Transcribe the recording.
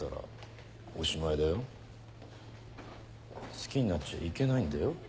好きになっちゃいけないんだよ。